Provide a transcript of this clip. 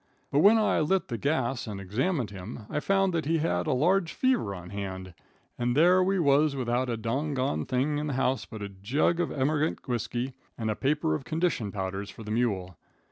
But when I lit the gas and examined him, I found that he had a large fever on hand, and there we was without a doggon thing in the house but a jug of emigrant whiskey and a paper of condition powders fur the mule.